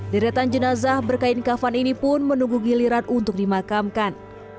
deretan jenazah berkain kafan ini pun menunggu giliran untuk dimakamkan